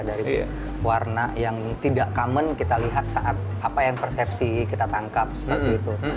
dari warna yang tidak common kita lihat saat apa yang persepsi kita tangkap seperti itu